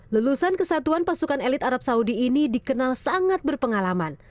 lulusan kesatuan pasukan elit arab saudi ini dikenal sangat berpengalaman